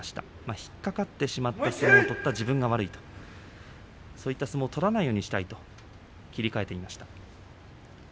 引っ掛かってしまったんですがそういう相撲を取った自分が悪いそういう相撲を取らないようにしないといけないと阿炎は切り替えていました。